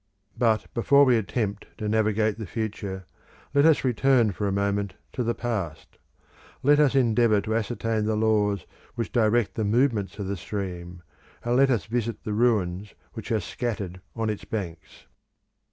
But before we attempt to navigate the future, let us return for a moment to the past; let us endeavour to ascertain the laws which direct the movements of the stream, and let us visit the ruins which are scattered on its banks.